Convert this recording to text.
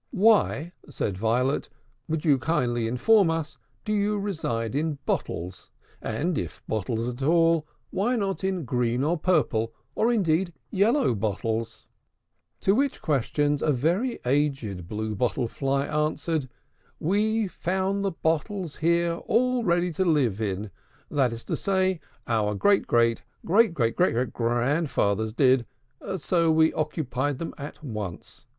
"Why," said Violet, "would you kindly inform us, do you reside in bottles; and, if in bottles at all, why not, rather, in green or purple, or, indeed, in yellow bottles?" To which questions a very aged Blue Bottle Fly answered, "We found the bottles here all ready to live in; that is to say, our great great great great great grandfathers did: so we occupied them at once.